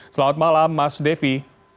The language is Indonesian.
selamat malam mas devi